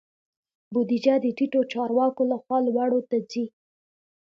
بودیجه د ټیټو چارواکو لخوا لوړو ته ځي.